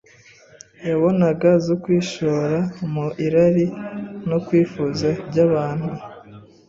yabonaga zo kwishora mu irari no kwifuza by’abantu.